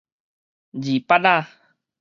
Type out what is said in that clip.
二叭仔